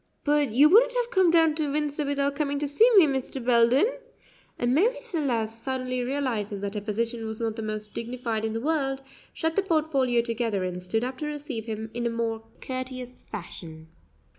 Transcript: "But you wouldn't have come down to Windsor without coming to see me, Mr. Belden?" and Marie Celeste, suddenly realizing that her position was not the most dignified in the world, shut the portfolio together and stood up to receive him in more courteous fashion.